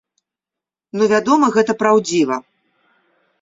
Ну вядома, гэта праўдзіва.